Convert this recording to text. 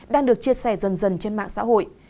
đang được chia sẻ dần dần trên mạng xã hội